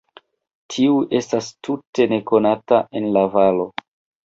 Tiu estas tute nekonata en la valo.